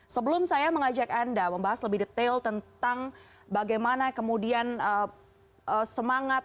sebelum saya mengajak anda membahas lebih detail tentang bagaimana kemudian semangat